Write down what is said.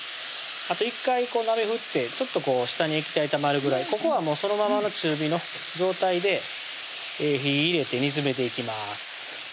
あと１回鍋振ってちょっと下に液体たまるぐらいここはそのままの中火の状態で火入れて煮詰めていきます